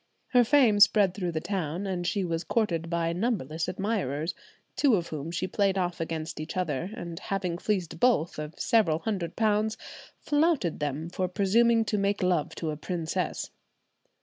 Her fame spread through the town, and she was courted by numberless admirers, two of whom she played off against each other; and having fleeced both of several hundred pounds, flouted them for presuming to make love to a princess.